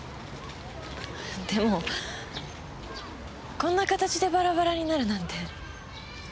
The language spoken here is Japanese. でもこんな形でバラバラになるなんて。